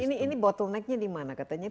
ini bottlenecknya dimana katanya